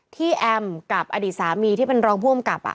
ที่แอมกับอดีตสามีที่เป็นรองพ่วงกับ